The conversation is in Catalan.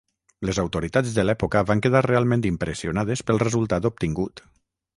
Les autoritats de l'època van quedar realment impressionades pel resultat obtingut.